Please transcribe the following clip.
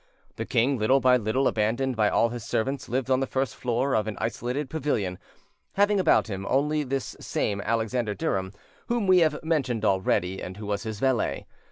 The king, little by little abandoned by all his servants lived on the first floor of an isolated pavilion, having about him only this same Alexander Durham, whom we have mentioned already, and who was his valet.